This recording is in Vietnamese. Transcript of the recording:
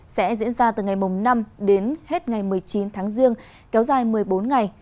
sẽ diễn ra từ ngày năm đến hết ngày một mươi chín tháng riêng kéo dài một mươi bốn ngày